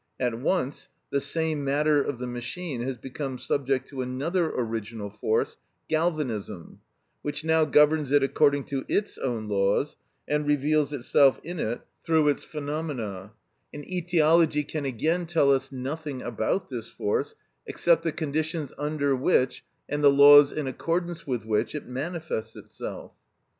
At once the same matter of the machine has become subject to another original force, galvanism, which now governs it according to its own laws, and reveals itself in it through its phenomena; and etiology can again tell us nothing about this force except the conditions under which, and the laws in accordance with which, it manifests itself.